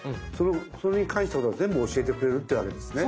それに関して全部教えてくれるってわけですね。